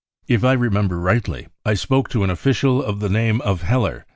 If I remember rightly, I spoke to an official of the name of Heller.